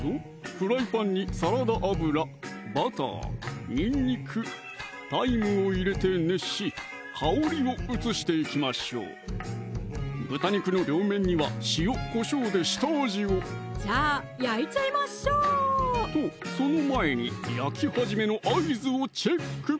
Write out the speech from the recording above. フライパンにサラダ油・バター・にんにく・タイムを入れて熱し香りを移していきましょう豚肉の両面には塩・こしょうで下味をじゃあ焼いちゃいましょうとその前に焼き始めの合図をチェック